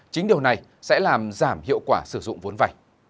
chính điều này sẽ làm giảm hiệu quả sử dụng vốn vảy